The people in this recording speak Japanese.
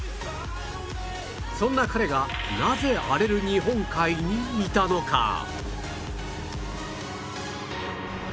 そんな彼がなぜ荒れる日本海にいたのか？